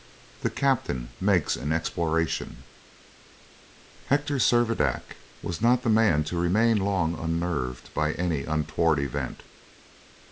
THE CAPTAIN MAKES AN EXPLORATION Hector Servadac was not the man to remain long unnerved by any untoward event.